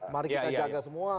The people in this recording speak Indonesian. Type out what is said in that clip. mari kita jaga semua